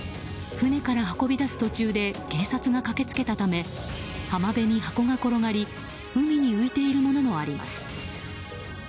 舟から運び出す途中で警察が駆け付けたため浜辺に箱が転がり海に浮いているものもあります。